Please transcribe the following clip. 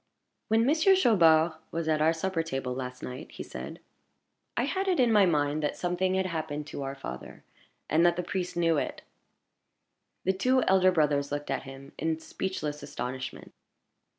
"When Monsieur Chaubard was at our supper table last night," he said, "I had it in my mind that something had happened to our father, and that the priest knew it." The two elder brothers looked at him in speechless astonishment.